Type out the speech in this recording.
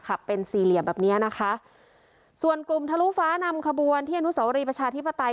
ขับเป็นสี่เหลี่ยมแบบเนี้ยนะคะส่วนกลุ่มทะลุฟ้านำขบวนที่อนุสวรีประชาธิปไตย